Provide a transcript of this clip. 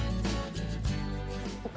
pesan pemberdayaan masyarakat desa